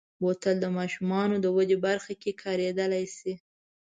بوتل د ماشومو د ودې برخه کې کارېدلی شي.